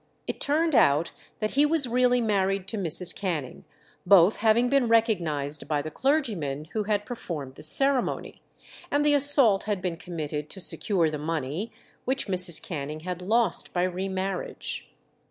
It turned out that he was really married to Mrs. Canning, both having been recognized by the clergyman who had performed the ceremony, and the assault had been committed to secure the money which Mrs. Canning had lost by re marriage.